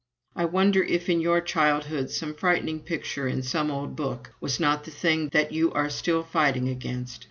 I wonder if, in your childhood, some frightening picture in some old book was not the thing that you are still fighting against?